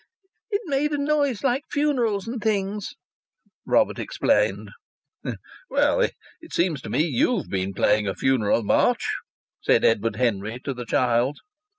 "It made a noise like funerals and things," Robert explained. "Well, it seems to me you've been playing a funeral march," said Edward Henry to the child.